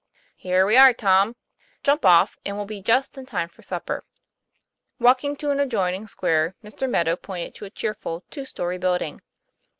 'Here we are, Tom; jump off, and we'll be just in time for supper." Walking to an adjoining square, Mr. Meadow pointed to a cheerful two story building.